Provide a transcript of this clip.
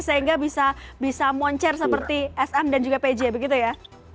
sehingga bisa moncer seperti sm dan juga pj begitu ya